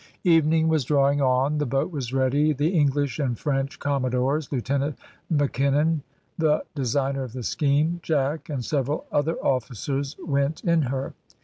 Evening was drawing on, the boat was ready, the English and French commodores, Lieutenant Mackinnon, the designer of the scheme, Jack, and several other officers went in her.